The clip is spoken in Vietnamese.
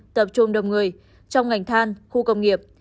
tập trung đông người trong ngành than khu công nghiệp